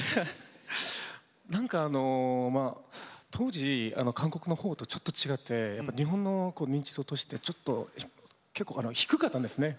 なんか当時韓国のほうとちょっと違ってやっぱ日本の認知度としてちょっと結構低かったんですね。